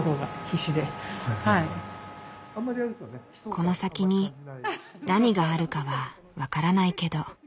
この先に何があるかは分からないけど。